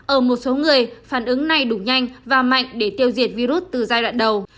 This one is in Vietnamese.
ở một số người phản ứng này đủ nhanh và mạnh để tiêu diệt virus từ giai đoạn đầu